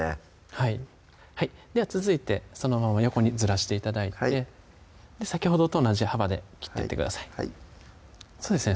はいでは続いてそのまま横にずらして頂いて先ほどと同じ幅で切っていってくださいそうですね